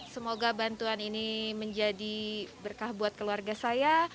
semoga bantuan ini menjadi berkah buat keluarga saya